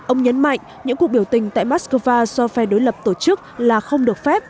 ông nhấn mạnh những cuộc biểu tình tại moscow do phe đối lập tổ chức là không được phép